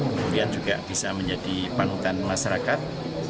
kemudian juga bisa menjadi panutan masyarakat